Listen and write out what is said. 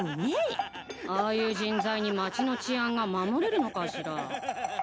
ああいう人材に町の治安が守れるのかしら？